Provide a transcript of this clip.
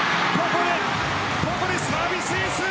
ここでサービスエース。